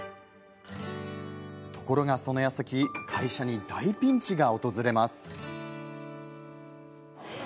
ところが、そのやさき会社に大ピンチが訪れます。